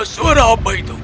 suara apa itu